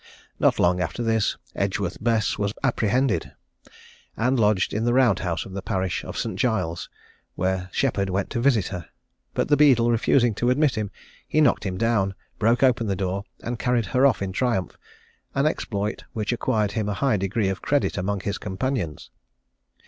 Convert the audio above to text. Not long after this Edgeworth Bess was apprehended, and lodged in the round house of the parish of St. Giles's, where Sheppard went to visit her; but the beadle refusing to admit him, he knocked him down, broke open the door, and carried her off in triumph; an exploit which acquired him a high degree of credit among his companions.